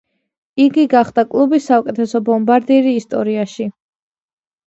იგი გახდა კლუბის საუკეთესო ბომბარდირი ისტორიაში.